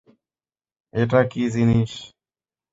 এটা কী জিনিস?